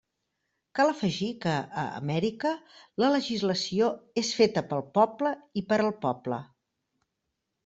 Cal afegir que a Amèrica la legislació és feta pel poble i per al poble.